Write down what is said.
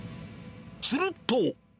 すると。